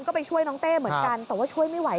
ก็ไปช่วยน้องเต้เหมือนกันแต่ว่าช่วยไม่ไหว